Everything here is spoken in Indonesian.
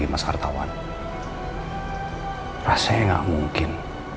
mas hartawan rasanya gak mungkin